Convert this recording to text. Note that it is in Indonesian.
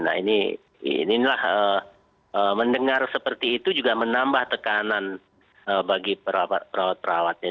nah ini inilah mendengar seperti itu juga menambah tekanan bagi perawat perawatnya